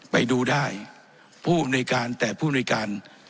ไปดูได้ผู้บุญโดยการแต่ผู้บุญโดยการ